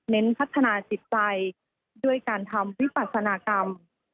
พัฒนาจิตใจด้วยการทำวิปัสนากรรม